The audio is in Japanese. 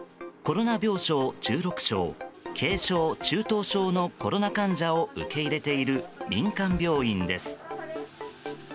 コロナ病床１６床軽症・中等症のコロナ患者を受け入れている民間病院です。